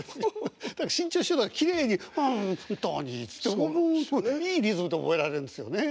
だから志ん朝師匠のはきれいに「本当に」っつっていいリズムで覚えられるんですよね。